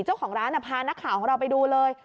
เจ้าของร้านพานักข่าวของเราไปดูเลย